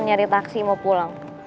nyari taksi mau pulang